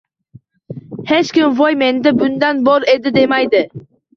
Hech kim - "Voy, menda bundan bor edi!" demaydi.